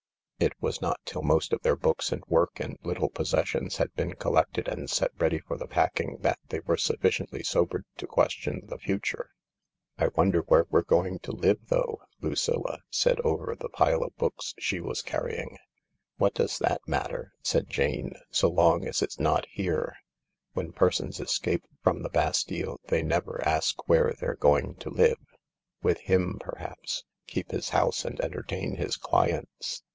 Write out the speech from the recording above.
It was not till most of their books and work and little possessions had been collected and set ready for the packing that they were sufficiently sobered to question the future. " I wonder where we're going to live, though ?" Lucilla said over the pile of books she was carrying. "What does that matter," said Jane, "so long as it's not here ? When persons escape from the Bastille they never ask where they're going to live. With him, perhaps. Keep his house and entertain his clients.